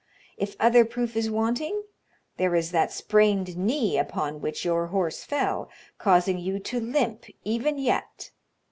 If other proof is wanting, there is that sprained knee upon which your horse fell, causing you to limp even yet.